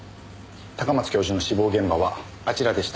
高松教授の死亡現場はあちらでした。